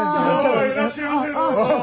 いらっしゃいませどうぞ。